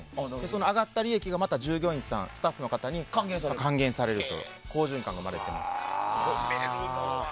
その上がった利益が従業員さん、スタッフの方に還元されるという好循環が生まれています。